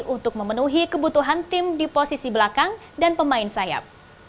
untuk memenuhi kebutuhan tim di posisi belakang dan pemain sayap